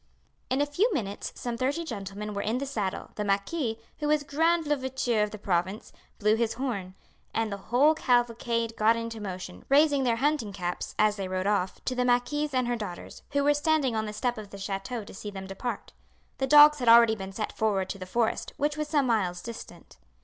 In a few minutes some thirty gentlemen were in the saddle, the marquis, who was grand louvetier of the province, blew his horn, and the whole cavalcade got into motion, raising their hunting caps, as they rode off, to the marquise and her daughters, who were standing on the step of the chateau to see them depart. The dogs had already been sent forward to the forest, which was some miles distant.